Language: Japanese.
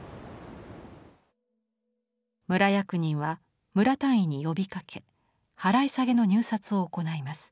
村役人は村単位に呼びかけ払い下げの入札を行います。